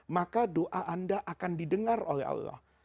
maka doa anda akan didengar oleh allah